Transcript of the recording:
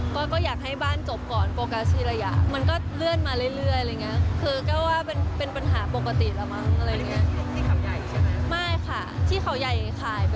ก็อยากให้บ้านจบก่อนโปรกัสที่ระยะมันก็เลื่อนมาเรื่อยอะไรอย่างเงี้ยคือก็ว่าเป็นปัญหาปกติแล้วมั้งอะไรอย่างเงี้ย